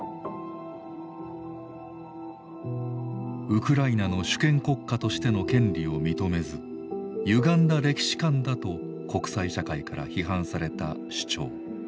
ウクライナの主権国家としての権利を認めずゆがんだ歴史観だと国際社会から批判された主張。